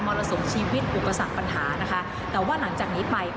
รสุมชีวิตอุปสรรคปัญหานะคะแต่ว่าหลังจากนี้ไป